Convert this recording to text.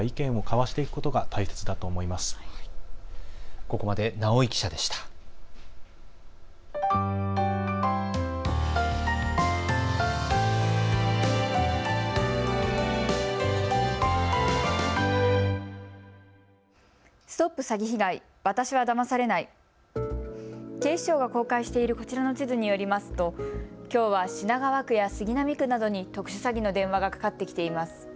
警視庁が公開しているこちらの地図によりますときょうは品川区や杉並区などに特殊詐欺の電話がかかってきています。